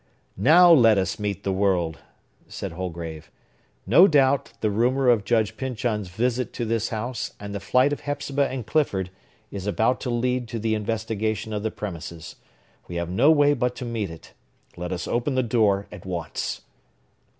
"Now let us meet the world!" said Holgrave. "No doubt, the rumor of Judge Pyncheon's visit to this house, and the flight of Hepzibah and Clifford, is about to lead to the investigation of the premises. We have no way but to meet it. Let us open the door at once."